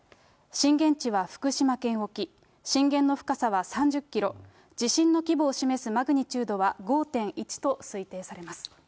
震源は福島県沖、震源の深さは３０キロ、地震の規模を示すマグニチュードは５．１と推定されます。